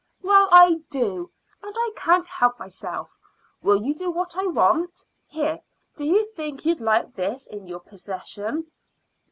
"Well, I do, and I can't help myself. Will you do what I want? Here, do you think you'd like this in your possession?"